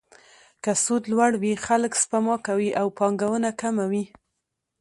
که سود لوړ وي، خلک سپما کوي او پانګونه کمه وي.